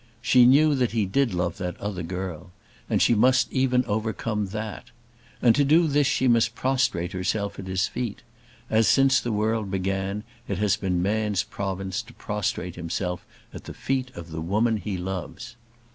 She knew that he did love that other girl, and she must overcome even that. And to do this she must prostrate herself at his feet, as, since the world began, it has been man's province to prostrate himself at the feet of the woman he loves.